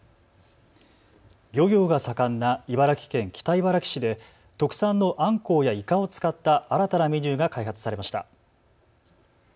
漁業が盛んな茨城県北茨城市で特産のあんこうやイカを使った新たなメニューが開発されました。